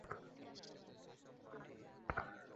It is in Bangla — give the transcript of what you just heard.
পরে তাঁর লাশ একটি পরিত্যক্ত গভীর নলকূপের পাইপের ভেতরে ফেলে দেন।